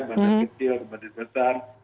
banyak kecil banyak besar